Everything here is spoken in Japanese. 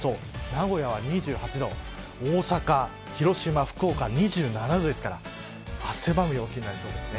名古屋は２８度大阪、広島、福岡は２７度ですから汗ばむ陽気になりそうです。